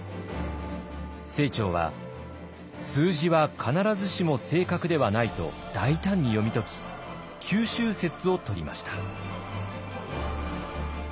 清張は数字は必ずしも正確ではないと大胆に読み解き九州説をとりました。